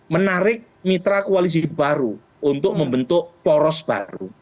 menarik mitra koalisi baru untuk membentuk poros baru